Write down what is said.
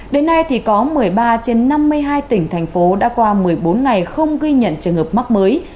đến nay thì có một mươi ba trên năm mươi hai tỉnh thành phố đã qua một mươi bốn ngày không ghi nhận trường hợp mắc mới